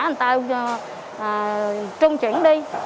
người ta trung chuyển đi